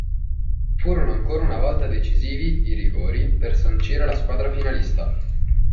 Furono ancora una volta decisivi i rigori per sancire la squadra finalista.